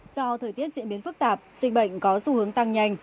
do thời tiết diễn biến phức tạp dịch bệnh có xu hướng tăng nhanh